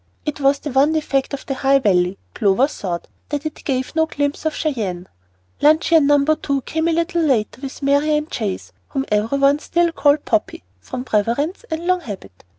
It was the one defect of the High Valley, Clover thought, that it gave no glimpse of Cheyenne. Luncheon No. 2 came a little later, with Marian Chase, whom every one still called "Poppy" from preference and long habit.